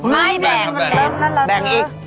ไม่แบ่งครับแบ่งอีก